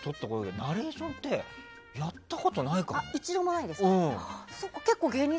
ナレーションってやったことないかも。